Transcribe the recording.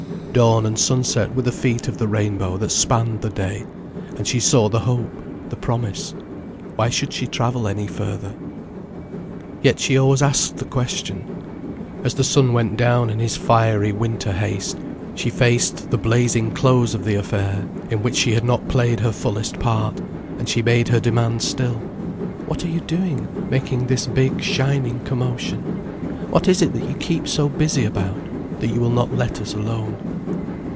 Dawn and sunset were the feet of the rainbow that spanned the day, and she saw the hope, the promise. Why should she travel any further? Yet she always asked the question. As the sun went down in his fiery winter haste, she faced the blazing close of the affair, in which she had not played her fullest part, and she made her demand still: "What are you doing, making this big shining commotion? What is it that you keep so busy about, that you will not let us alone?"